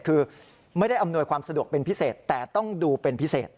คือไม่ได้อำนวยความสะดวกเป็นพิเศษแต่ต้องดูเป็นพิเศษ